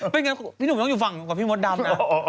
เป็นอย่างไรที่หนุ่มต้องอยู่ฝั่งกับพี่มดดำ